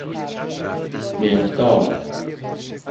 مﮩردار